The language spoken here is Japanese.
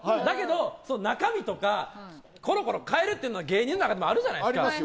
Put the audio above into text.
だけど中身とかコロコロかえるっていうのは芸人の中でもあるじゃないですか？